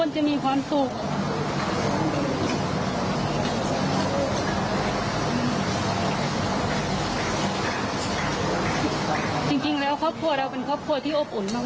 จริงแล้วครอบครัวเราเป็นครอบครัวที่อบอุ่นมาก